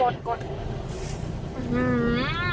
ตัวเองกด